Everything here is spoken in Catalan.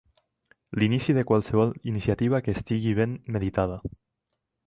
L'inici de qualsevol iniciativa que estigui ben meditada.